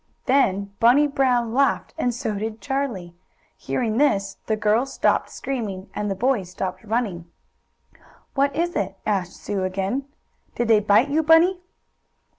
Then Bunny Brown laughed, and so did Charlie. Hearing this the girls stopped screaming, and the boys stopped running. "What is it?" asked Sue again. "Did they bite you, Bunny?"